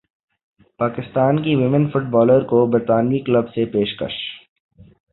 پاکستان کی women footballer کو برطانوی کلب سے پیشکش